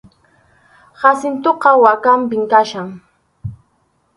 Jacintoqa wankanpim kachkan.